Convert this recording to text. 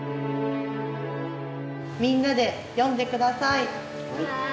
みんなで読んでください